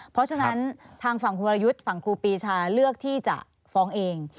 เพราะฉะนั้นทางฝั่งคุณวรยุทธ์ฝั่งครูปีชาเลือกที่จะฟ้องเอง